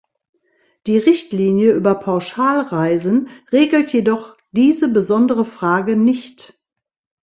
Die Richtlinie über Pauschalreisen regelt jedoch diese besondere Frage nicht.